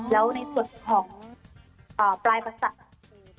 แล้วในส่วนของปลายประสาทคือ